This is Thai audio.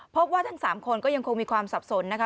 พบว่าทั้ง๓คนก็ยังคงมีความสับสนนะคะ